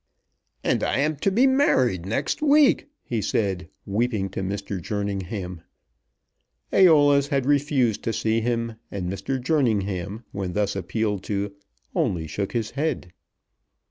"And I am to be married next week!" he said weeping to Mr. Jerningham. Æolus had refused to see him, and Mr. Jerningham, when thus appealed to, only shook his head.